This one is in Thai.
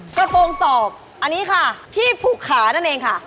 กระโปรงศอกอันนี้ค่ะที่ภูขานั่นเองค่ะ